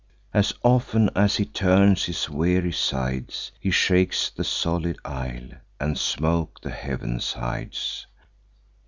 As often as he turns his weary sides, He shakes the solid isle, and smoke the heavens hides.